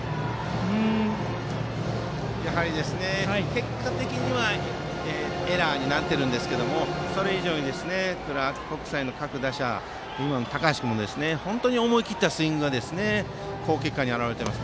結果的にはエラーになっているんですけどもそれ以上にクラーク国際の各打者高橋君も本当に思い切ったスイングがこの結果に表れています。